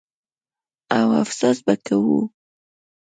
او افسوس به کوو.